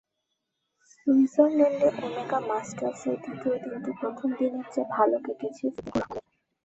সুইজারল্যান্ডে ওমেগা মাস্টার্সের দ্বিতীয় দিনটি প্রথম দিনের চেয়ে ভালো কেটেছে সিদ্দিকুর রহমানের।